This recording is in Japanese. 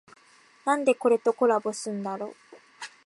なんでこれとコラボすんだろ